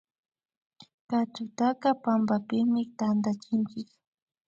Katsutaka pampapimi tantachinchik